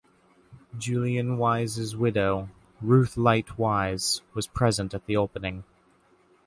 Julian Wise's widow, Ruth Light Wise, was present at the opening.